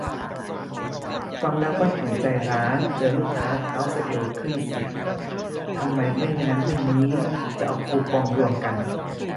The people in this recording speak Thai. ฟังแล้วก็เห็นใจร้าน เจอลูกค้าเท้าสะเอว ขึ้นเสียง ทำไมไม่งั้นไม่งี้ จะเอาคูปองรวมกัน